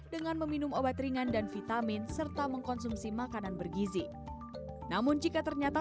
dengan meminum obat ringan dan vitamin serta mengkonsumsi makanan bergizi namun jika ternyata